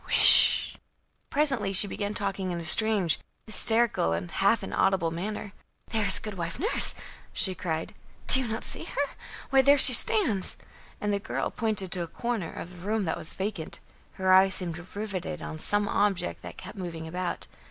whish!" Presently she began talking in a strange, hysterical and half inaudible manner. "There is Goodwife Nurse!" she cried. "Do you not see her? Why, there she stands!" and the girl pointed to a corner of the room that was vacant. Her eyes seemed riveted on some object that kept moving about.